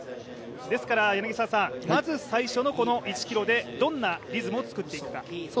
ですからまず最初の１ｋｍでどんなリズムを作っていくか。